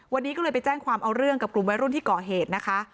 วันนี้ก็เลยไปแจ้งความเอาเรื่องกับกลุ่มวัยรุ่นที่ก่อเหตุนะคะ